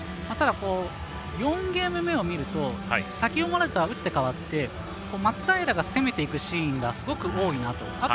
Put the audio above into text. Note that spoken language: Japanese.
ただ、４ゲーム目を見ると先ほどまでとは打って変わって松平が攻めていくシーンがすごく多いなと。